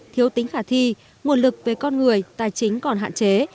thiếu tính khả thi nguồn lực về con người tài chính còn hạn chế